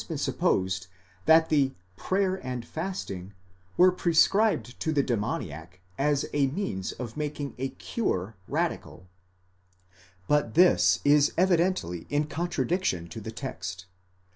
been supposed that the προσευχὴ καὶ νηστεία, prayer and fasting, were pre scribed to the demoniac as a means of making the cure radical.*7 But this is evidently in contradiction to the text.